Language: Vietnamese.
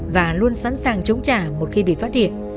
và luôn sẵn sàng chống trả một khi bị phát hiện